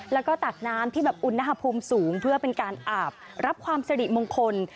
แล้วก็ตักน้ำที่แบบอุณหภูมิสูงเพื่อเป็นการอาบรับความสริมงคล